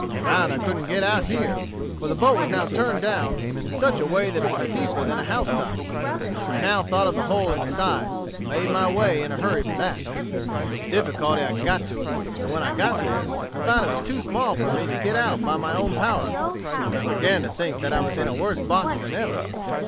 I found I couldn't get out here, for the boat was now turned down in such a way that it was steeper than a house top. I now thought of the hole in the side, and made my way in a hurry for that. "With difficulty I got to it, and when I got there, I found it was too small for me to get out by my own power, and I began to think that I was in a worse box than ever.